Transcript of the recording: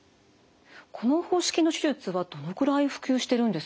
この方式の手術はどのぐらい普及してるんですか？